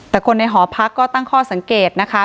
แต่คนในหอพักก็ตั้งข้อสังเกตนะคะ